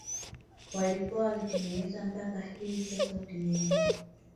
walikuwa wakitengeneza mpaka hivi sasa hutengeneza